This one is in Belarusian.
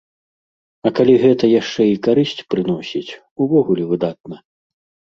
А калі гэта яшчэ і карысць прыносіць, увогуле выдатна.